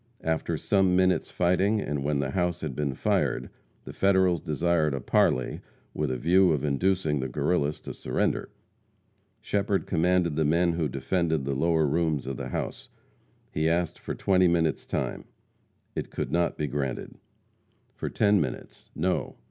After some minutes' fighting, and when the house had been fired, the Federals desired a parley with a view of inducing the Guerrillas to surrender. Shepherd commanded the men who defended the lower rooms of the house. He asked for twenty minutes time. It could not be granted. For ten minutes. No.